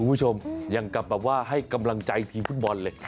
คุณผู้ชมอย่างกับแบบว่าให้กำลังใจทีมฟุตบอลเลย